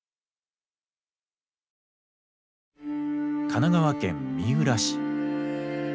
神奈川県三浦市。